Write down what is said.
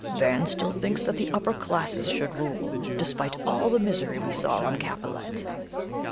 "Van still thinks that the upper classes should rule, despite all the misery we saw on Capellette!